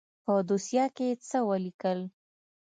په دوسيه کښې يې څه وليکل.